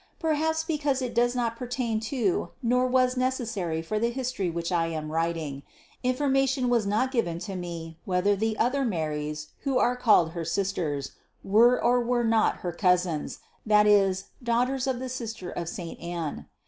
Perhaps because it does not per tain to nor was necessary for the history which I am writing, information was not given to me whether the other Marys who are called her sisters, were or were not her cousins, that is daughters of the sister of saint Anne.